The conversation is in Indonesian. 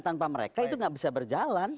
tanpa mereka itu nggak bisa berjalan